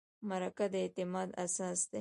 مرکه د اعتماد اساس دی.